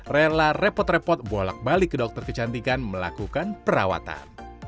rela repot repot bolak balik ke dokter kecantikan melakukan perawatan